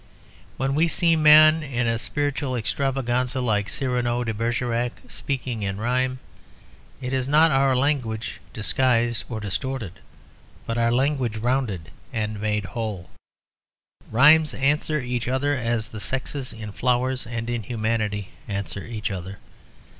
When we see men in a spiritual extravaganza, like "Cyrano de Bergerac," speaking in rhyme, it is not our language disguised or distorted, but our language rounded and made whole. Rhymes answer each other as the sexes in flowers and in humanity answer each other.